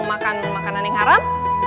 makan makanan yang haram